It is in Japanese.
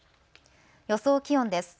予想気温です。